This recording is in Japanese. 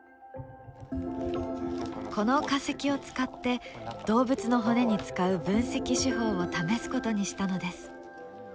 この化石を使って動物の骨に使う分析手法を試すことにしたのです。